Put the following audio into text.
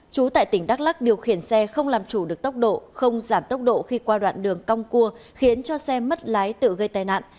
chú tại tỉnh đắk lắc điều khiển xe không làm chủ được tốc độ không giảm tốc độ khi qua đoạn đường cong cua khiến cho xe mất lái tự gây tai nạn